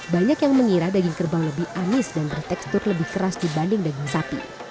banyak yang mengira daging kerbau lebih anis dan bertekstur lebih keras dibanding daging sapi